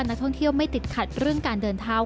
นักท่องเที่ยวไม่ติดขัดเรื่องการเดินเท้า